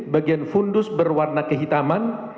bagian fundus berwarna kehitaman